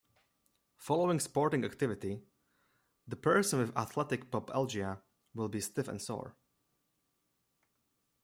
Following sporting activity the person with athletic pubalgia will be stiff and sore.